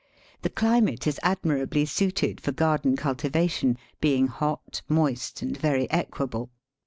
The climate is admirably suited for garden cul tivation, being hot, moist, and very equable.